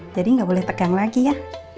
jadi gak boleh tegang lagi ya